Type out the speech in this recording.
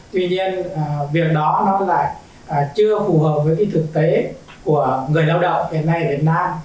tuy nhiên việc đó nó lại chưa phù hợp với cái thực tế của người lao động hiện nay việt nam